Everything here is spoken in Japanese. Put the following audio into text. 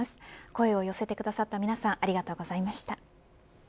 声を寄せてくださった皆さんありがとうございました。